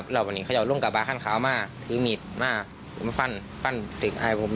เราพอน่ีนเขาจะลงก็บ้านข้ามลั้งมาถือมีดมาฟันจับหน้าผม